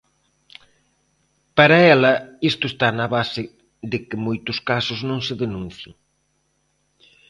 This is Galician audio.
Para ela, isto está na base de que moitos casos non se denuncien.